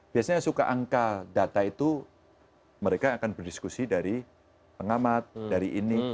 biasanya suka angka data itu mereka akan berdiskusi dari pengamat dari ini